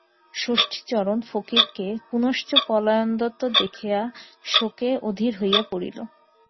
ষষ্ঠীচরণ ফকিরকে পুনশ্চ পলায়নোদ্যত দেখিয়া শোকে অধীর হইয়া পড়িল।